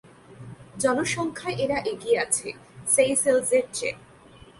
জনসংখ্যায় এরা এগিয়ে আছে সেইসেল্জের চেয়ে।